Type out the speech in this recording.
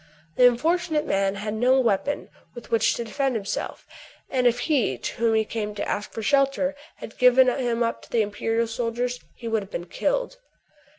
The unfortunate man had no weapon with which to defend himself ; and, if he to whom he came to ask for shelter had given him up to the imperial soldiers, he would have been killed.